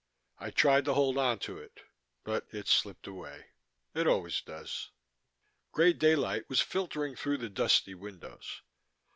I tried to hold onto it, but it slipped away; it always does. Grey daylight was filtering through the dusty windows.